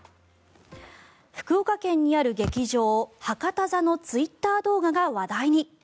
福岡県にある劇場博多座のツイッター動画が話題に。